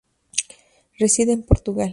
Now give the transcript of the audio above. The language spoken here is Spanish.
Reside en Portugal.